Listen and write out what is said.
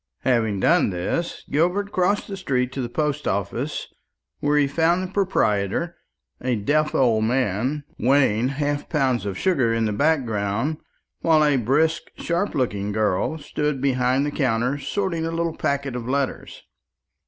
Having done this, Gilbert crossed the road to the post office, where he found the proprietor, a deaf old man, weighing half pounds of sugar in the background, while a brisk sharp looking girl stood behind the counter sorting a little packet of letters.